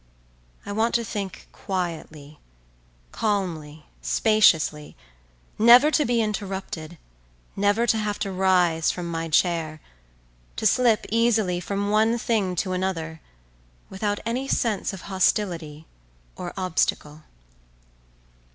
… I want to think quietly, calmly, spaciously, never to be interrupted, never to have to rise from my chair, to slip easily from one thing to another, without any sense of hostility, or obstacle.